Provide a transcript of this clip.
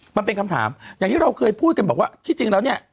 มันเป็นคำถามอย่างที่เราเคยพูดกันบอกว่าที่จริงแล้วเนี่ย